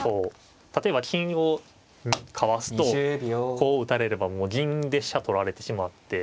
例えば金をかわすとこう打たれればもう銀で飛車取られてしまって。